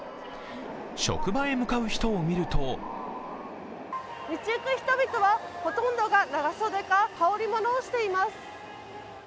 職場へ向かう人を見ると道行く人々はほとんどが長袖か羽織物をしています。